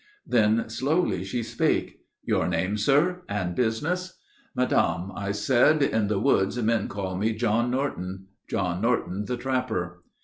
Then slowly she spake. "Your name, sir, and business?" "Madame," I said, "in the woods men call me John Norton; John Norton, the Trapper."